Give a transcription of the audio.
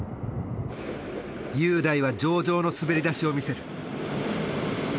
雄大は上々の滑り出しを見せる。